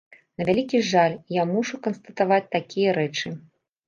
На вялікі жаль, я мушу канстатаваць такія рэчы.